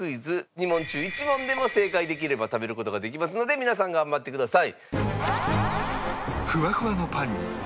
２問中１問でも正解できれば食べる事ができますので皆さん頑張ってください。